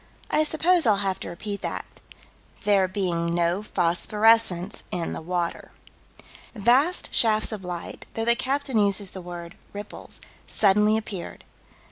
I suppose I'll have to repeat that: "... there being no phosphorescence in the water." Vast shafts of light though the captain uses the word "ripples" suddenly appeared.